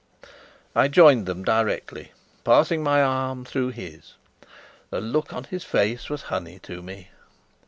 I joined him directly, passing my arm through his. The look on his face was honey to me.